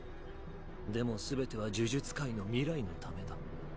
でも全ては呪術界の未来のためだ。